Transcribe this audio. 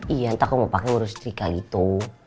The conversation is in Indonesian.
iya entah kok mau pake urus setrika gitu